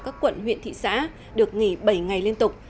các quận huyện thị xã được nghỉ bảy ngày liên tục